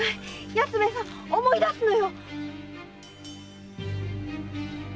安兵衛さん思い出すのよ！